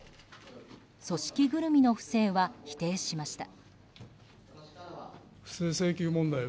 組織ぐるみの不正は否定しました。